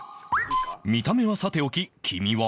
見た目はさておき黄身は